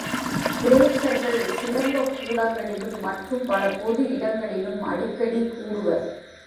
கிரேக்கர்கள் சிலம்பக் கூடங்களிலும், மற்றும் பல பொது இடங்களிலும் அடிக்கடி கூடுவர்.